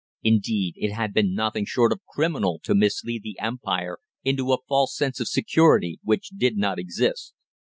Indeed, it had been nothing short of criminal to mislead the Empire into a false sense of security which did not exist.